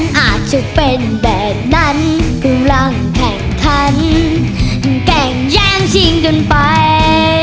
ฉันอาจจะเป็นแบบนั้นขึ้นร่างแข่งขันแก่งแย้งชิงกันไป